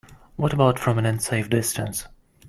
What about from an unsafe distance?